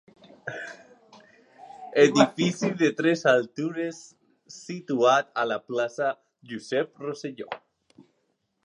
Edifici de tres altures situat a la Plaça Josep Rosselló.